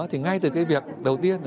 thì ngay từ cái việc đầu tiên